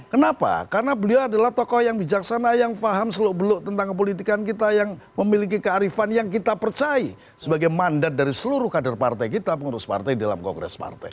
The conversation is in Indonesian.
kenapa karena beliau adalah tokoh yang bijaksana yang faham seluk beluk tentang kepolitikan kita yang memiliki kearifan yang kita percaya sebagai mandat dari seluruh kader partai kita pengurus partai dalam kongres partai